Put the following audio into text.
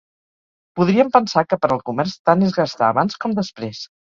Podríem pensar que per al comerç, tant és gastar abans com després.